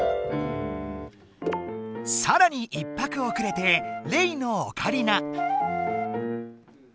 さらに１拍おくれてレイのオカリナ。